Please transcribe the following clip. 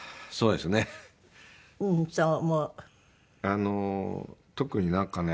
あの特になんかね